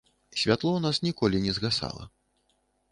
Святло ў нас ніколі не згасала.